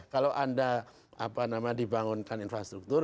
kalau anda dibangunkan infrastruktur